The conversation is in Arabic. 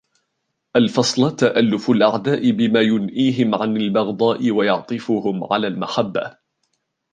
الْفَصْلَ تَأَلُّفُ الْأَعْدَاءِ بِمَا يُنْئِيهِمْ عَنْ الْبَغْضَاءِ وَيَعْطِفُهُمْ عَلَى الْمَحَبَّةِ